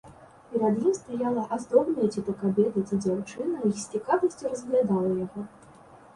Перад ім стаяла аздобная ці то кабета, ці дзяўчына і з цікавасцю разглядала яго.